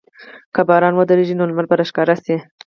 که باران ودریږي، نو لمر به راښکاره شي.